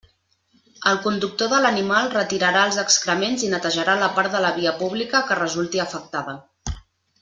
El conductor de l'animal retirarà els excrements i netejarà la part de la via pública que resulti afectada.